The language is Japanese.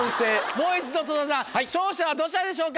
もう一度土佐さん勝者はどちらでしょうか？